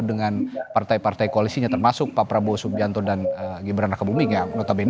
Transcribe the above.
dengan partai partai koalisinya termasuk pak prabowo subianto dan gibran raka buming yang notabene